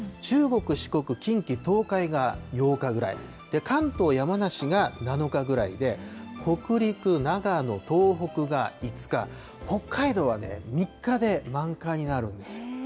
中国、四国、近畿、東海が８日ぐらい、関東、山梨が７日ぐらいで、北陸、長野、東北が５日、北海道はね、３日は満開になるんですよ。